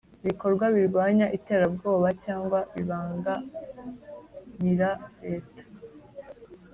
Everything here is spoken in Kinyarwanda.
Ibikorwa birwanya iterabwoba cyangwa bibangamira leta